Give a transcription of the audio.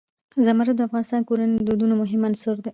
زمرد د افغان کورنیو د دودونو مهم عنصر دی.